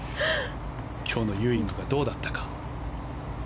今日のユーイングはどうだったか。